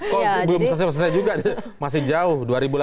kok belum selesai selesai juga masih jauh dua ribu delapan ratus delapan puluh tujuh